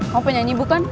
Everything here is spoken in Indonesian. kamu penyanyi bukan